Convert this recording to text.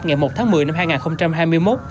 ngày một tháng một mươi năm hai nghìn hai mươi một